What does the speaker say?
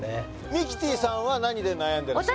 ミキティさんは何で悩んでらっしゃるんですか？